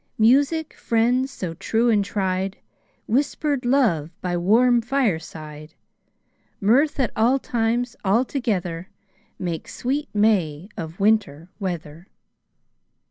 Music, friends so true and tried, Whisper'd love by warm fireside, Mirth at all times all together, Make sweet May of Winter weather.